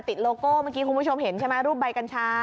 โลโก้เมื่อกี้คุณผู้ชมเห็นใช่ไหมรูปใบกัญชา